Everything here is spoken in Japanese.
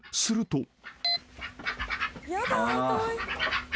［すると］